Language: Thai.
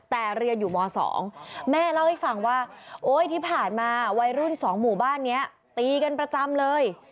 แต่เรียนอยู่ม๒แม่เล่าให้ฟังว่าโอ๊ยที่ผ่านมาวัยรุ่น๒หมู่บ้านนี้ตีกันประจำเลย